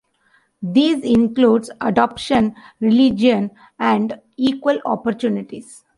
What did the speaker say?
These include adoption, religion and equal opportunities.